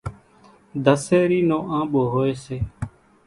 ڌسيرِي نو آنٻو هوئيَ سي۔